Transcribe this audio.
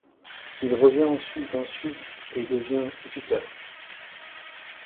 Il revient ensuite en Suisse et devient instituteur.